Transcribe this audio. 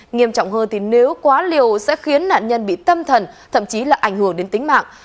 nghiêm trọng hơn thì nếu quá liều sẽ khiến nạn nhân bị tâm thần thậm chí là ảnh hưởng đến tính mạng